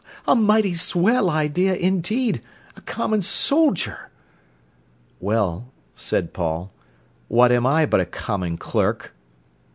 _—a mighty swell idea indeed!—a common soldier!" "Well," said Paul, "what am I but a common clerk?"